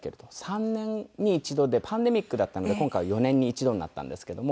３年に１度でパンデミックだったので今回は４年に１度になったんですけども。